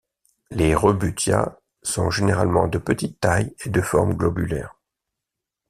Les Rebutia sont généralement de petite taille et de forme globulaire.